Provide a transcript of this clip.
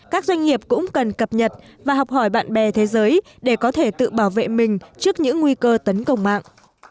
các doanh nghiệp cũng cần cập nhật và học hỏi bạn bè thế giới để có thể tự bảo vệ mình trước những nguy cơ tấn công mạng